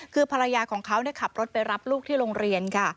คือภรรยาของเขาขับรถไปรับลูกที่โรงเรียนค่ะ